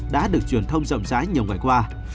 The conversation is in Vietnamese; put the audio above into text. đã được truyền thông rộng rãi nhiều ngày qua